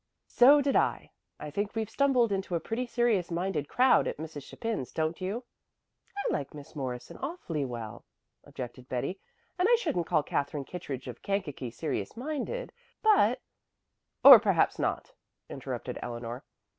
"So did I. I think we've stumbled into a pretty serious minded crowd at Mrs. Chapin's, don't you?" "I like Miss Morrison awfully well," objected Betty, "and I shouldn't call Katherine Kittredge of Kankakee serious minded, but " "Oh, perhaps not," interrupted Eleanor.